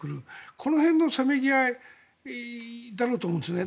この辺のせめぎ合いだろうと思うんですね。